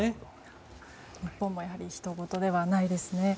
日本もやはりひとごとではないですね。